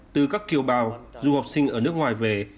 từ các kiều bào du học sinh ở nước ngoài về